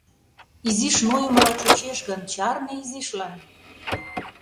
Изиш нойымыла чучеш гын, чарне изишлан.